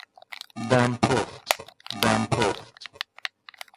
دم پخت ـ دمپخت